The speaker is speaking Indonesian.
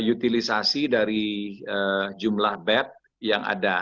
utilisasi dari jumlah bed yang ada